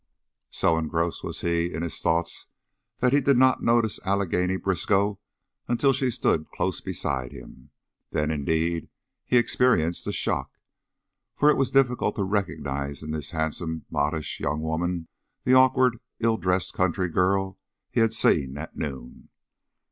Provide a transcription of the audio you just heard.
So engrossed was he in his thoughts that he did not notice Allegheny Briskow until she stood close beside him. Then, indeed, he experienced a shock, for it was difficult to recognize in this handsome, modish young woman the awkward, ill dressed country girl he had seen at noon.